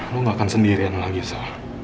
lo gak akan sendirian lagi esa